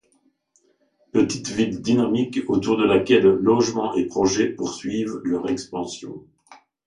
Petite ville dynamique autour de laquelle logements et projets poursuivent leur expansion.